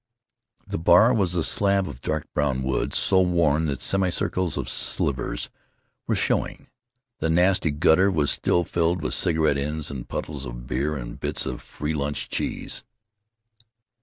The bar was a slab of dark brown wood, so worn that semicircles of slivers were showing. The nasty gutter was still filled with cigar ends and puddles of beer and bits of free lunch cheese.